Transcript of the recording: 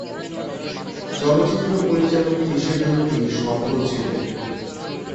চলচ্চিত্র পরিচালক হিসেবেও তিনি সফল ছিলেন।